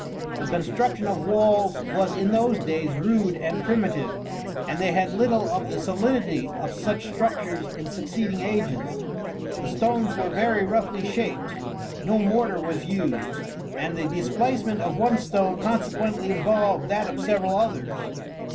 The construction of walls was in those days rude and primitive, and they had little of the solidity of such structures in succeeding ages. The stones were very roughly shaped, no mortar was used, and the displacement of one stone consequently involved that of several others.